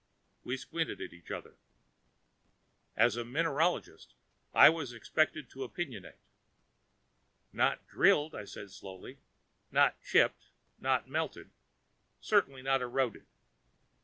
We squinted at each other. As mineralogist, I was expected to opinionate. "Not drilled," I said slowly. "Not chipped. Not melted. Certainly not eroded."